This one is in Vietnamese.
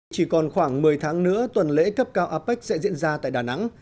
chỉ còn khoảng một mươi tháng nữa tuần lễ cấp cao apec sẽ diễn ra tại đà nẵng